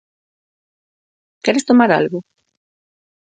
Queres tomar algo?